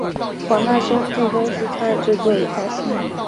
华纳兄弟公司参与制作与发行。